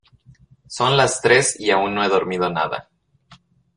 Son las tres y aún no he dormido nada.